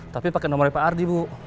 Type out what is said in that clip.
tapi pakai nomornya pak ardi bu